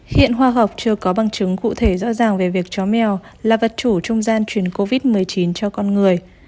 hiện khoa học chưa có bằng chứng cụ thể rõ ràng về việc chó mèo là vật chủ trung gian truyền covid một mươi chín cho con người